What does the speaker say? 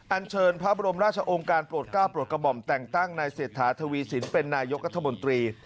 อันเชิญพระบรมราชองค์การโปรดก้าวโปรดกระหม่อมแต่งตั้งนายเศรษฐาทวีสินเป็นนายกรัฐมนตรี